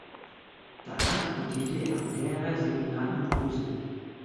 Danach studierte er am Lehrerseminar in Posen.